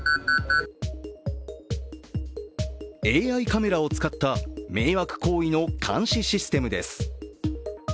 ＡＩカメラを使った迷惑行為の監視システムです。